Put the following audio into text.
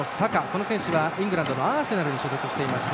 この選手はイングランドのアーセナルに所属しています。